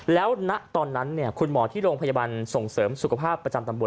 แล้วณตอนนั้นคุณหมอที่โรงพยาบาลส่งเสริมสุขภาพประจำตำบล